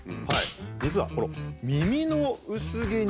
実はこの耳の薄毛に。